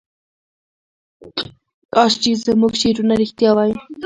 کاش چې زموږ شعرونه رښتیا وای.